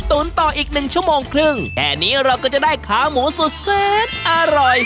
ต่ออีกหนึ่งชั่วโมงครึ่งแค่นี้เราก็จะได้ขาหมูสุดแซนอร่อย